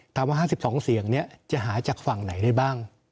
ถามว่า๕๒เสียงนี้จะหาจากฝั่งไหนได้บ้าง